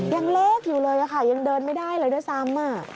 ยังเล็กอยู่เลยค่ะยังเดินไม่ได้เลยด้วยซ้ำ